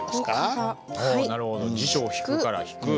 ああなるほど辞書を引くから「引く」。